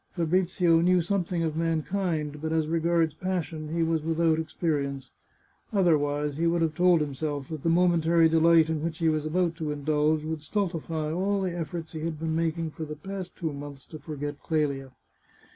Fabrizio knew something of mankind, but as regards passion he was without experience. Otherwise he would have told himself that the momentary delight in which he was about to indulge would stultify all the efforts he had been making for the past two months to forget Clelia.